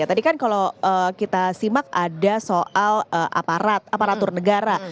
tadi kan kalau kita simak ada soal aparat aparatur negara